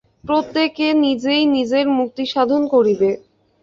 প্রত্যেকে নিজেই নিজের মুক্তিসাধন করিবে।